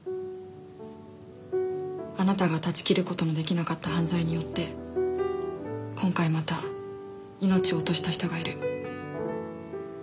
あなたが断ち切る事の出来なかった犯罪によって今回また命を落とした人がいる。